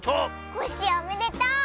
コッシーおめでとう！